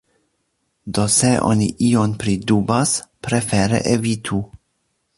Do se oni ion pridubas, prefere evitu.